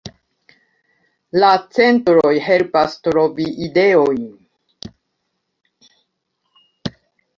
La centroj helpas trovi ideojn.